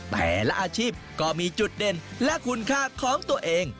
แต่ละอาชีพก็มีจุดเด่นและคุณค่าของตัวเอง